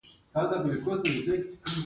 د غور بادام طبیعي او خوندور دي.